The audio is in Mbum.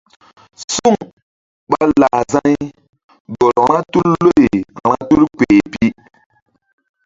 Suŋ ɓa lah za̧y gɔl vba tul loy vba tul kpeh pi.